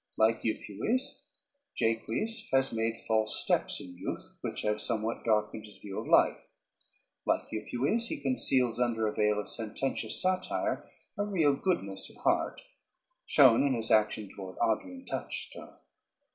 "Like Euphues, Jaques has made false steps in youth, which have somewhat darkened his views of life; like Euphues, he conceals under a veil of sententious satire a real goodness of heart, shown in his action toward Audrey and Touchstone.